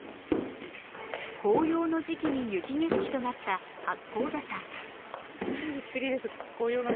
紅葉の時期に雪景色となった八甲田山。